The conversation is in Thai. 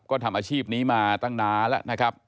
ก็ทำอาชีพนี้มาตั้งนานแล้วนะครับ